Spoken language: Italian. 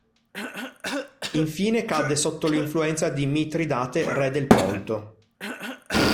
Infine cadde sotto l'influenza di Mitridate re del Ponto.